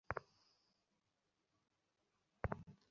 তিনি সেসব বইপুস্তক আরো বেশি পরিমাণে ঘাঁটাঘাঁটি করার সুযোগ পান।